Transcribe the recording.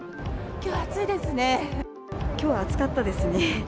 きょう暑かったですね。